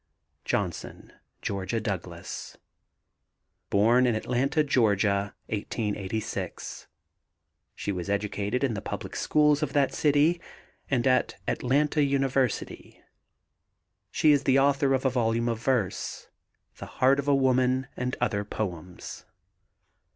JOHNSON, GEORGIA DOUGLAS. Born in Atlanta, Ga., 1886. She was educated in the public schools of that city and at Atlanta University. She is the author of a volume of verse, The Heart of a Woman and other poems.